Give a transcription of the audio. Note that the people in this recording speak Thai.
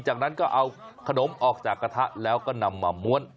จากนั้นก็เอาขนมออกจากกระทะแล้วก็นำมาม้วน